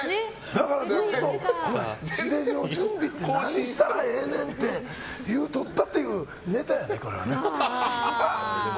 だから、ずっと地デジの準備って何したらええねんって言うとったというネタやね。